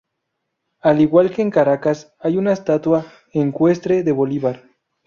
Al igual que en Caracas hay una estatua ecuestre de Bolívar.